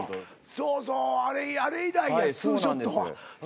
そうそうあれ以来や２ショットは。